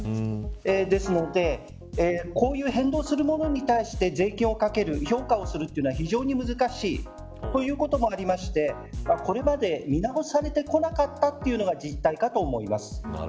ですので、こういう変動するものに対して税金をかける評価をするというのは非常に難しいということもあってこれまで見直されてこなかったというのが実態かと思います。